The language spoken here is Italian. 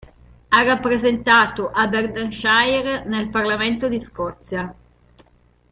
Ha rappresentato Aberdeenshire nel Parlamento di Scozia.